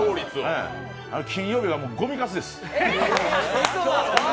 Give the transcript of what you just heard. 金曜日はごみカスです。